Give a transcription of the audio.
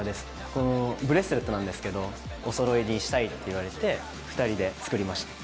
このブレスレットなんですけど「おそろいにしたい」って言われて２人で作りました。